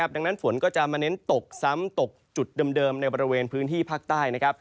ดังนั้นฝนก็จะมาเน้นตกซ้ำตกจุดเดิมในบริเวณพื้นที่ภาคใต้